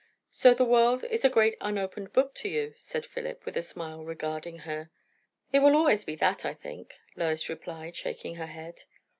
"So the world is a great unopened book to you?" said Philip, with a smile regarding her. "It will always be that, I think," Lois replied, shaking her head.